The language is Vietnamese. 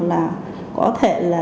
là có thể là